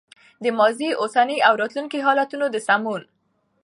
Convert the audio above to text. د ماضي، اوسني او راتلونکي حالتونو د سمون